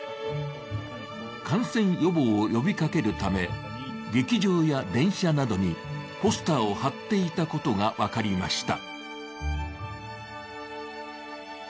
感染予防を呼びかけるため劇場や電車などにポスターを貼っていたことが分かりました。